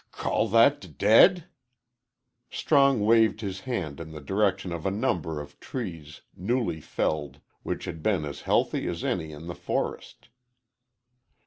"Ca call that dead?" Strong waved his hand in the direction of a number of trees, newly felled, which had been as healthy as any in the forest.